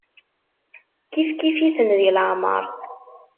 Kifkif-iten di leɛmeṛ.